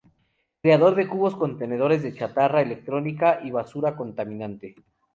Creador de cubos contenedores de chatarra electrónica y basura contaminante.